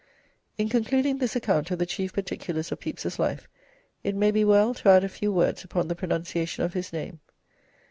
In concluding this account of the chief particulars of Pepys's life it may be well to add a few words upon the pronunciation of his name.